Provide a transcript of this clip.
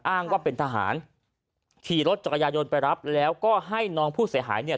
อ้างว่าเป็นทหารขี่รถจักรยายนไปรับแล้วก็ให้น้องผู้เสียหายเนี่ย